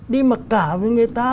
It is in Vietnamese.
đi mật cả với người ta